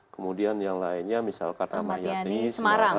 kemudian yang lainnya misalkan amatiani semarang